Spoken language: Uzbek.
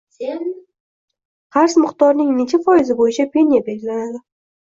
Qarz miqdorining necha foizi bo‘yicha penya belgilanadi?